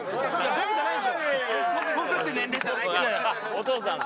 お父さん。